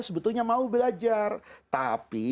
sebetulnya mau belajar tapi